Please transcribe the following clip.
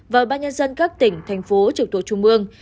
và ban nhân dân các tỉnh thành phố trực thuộc trung ương